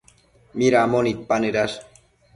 Midambo nidpanëdash?